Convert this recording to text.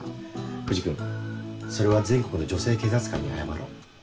藤君それは全国の女性警察官に謝ろう。